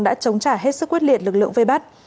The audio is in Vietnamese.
đã chống trả hết sức quyết liệt lực lượng vây bắt